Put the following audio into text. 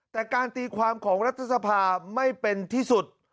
แต่การตีความของรัฐสภาไม่เป็นที่สุด